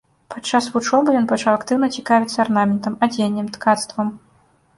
Падчас вучобы ён пачаў актыўна цікавіцца арнаментам, адзеннем, ткацтвам.